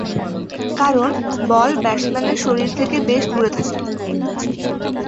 কারণ, বল ব্যাটসম্যানের শরীর থেকে বেশ দূরে থাকে।